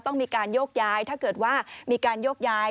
ต้องมีการโยกย้ายถ้าเกิดว่ามีการโยกย้าย